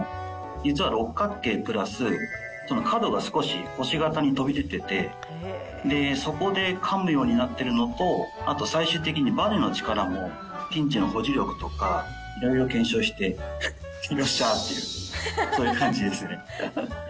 実は六角形プラス、角が少し星形に飛び出てて、そこでかむようになっているのと、あと最終的にばねの力もピンチの保持力とか、いろいろ検証して、よっしゃーって、そういう感じですね。